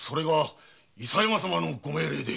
伊佐山様のご命令で。